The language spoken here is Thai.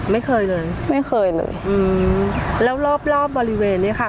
ไม่เคยเลยไม่เคยเลยอืมแล้วรอบรอบบริเวณเนี้ยค่ะ